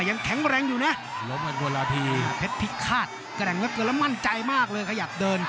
ยังแข็งแรงอยู่นะแพ็ดพิคาตแกร่งเกลือเกลือแล้วมั่นใจมากเลยขยับเดิน